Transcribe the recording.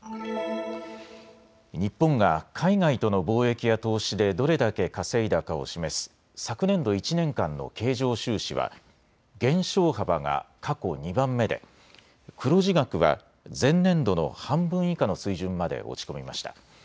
日本が海外との貿易や投資でどれだけ稼いだかを示す昨年度１年間の経常収支は減少幅が過去２番目で黒字額は前年度の半分以下の水準まで落ち込みました。